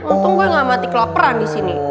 untung gue gak mati kelaparan disini